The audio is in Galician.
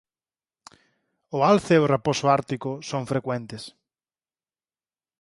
O alce e o raposo ártico son frecuentes.